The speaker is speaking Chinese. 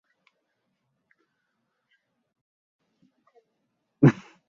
把二溴甲烷释放于土壤中会使之蒸发及在土地中过滤。